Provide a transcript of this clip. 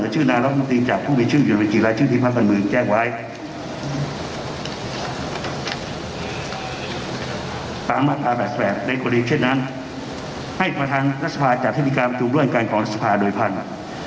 ให้ประธานรัฐสภาจัดธิการประตูร่วมร่วมกันของรัฐสภาโดยพันธุ์